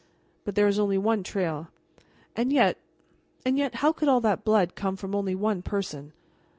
But there is only one trail, and yet and yet, how could all that blood come from only one person?